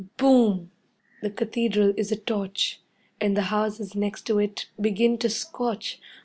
Boom! The Cathedral is a torch, and the houses next to it begin to scorch.